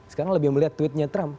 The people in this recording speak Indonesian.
sekarang lebih melihat tweetnya trump